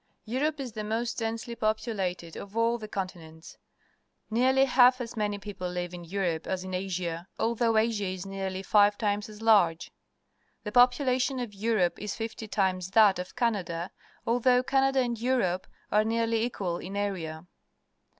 — Eur ope is the most densely populated of all thecon tinents. Nearlj^ half as many people live in Europe as in Asia, al though Asia is nearly five times as large. The population of Europe is fifty times that of Canada, although Can ada and Europe are nearly equal in area.